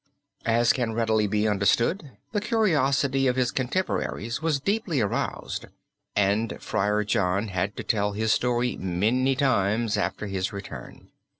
As can readily be understood the curiosity of his contemporaries was deeply aroused and Friar John had to tell his story many times after his return.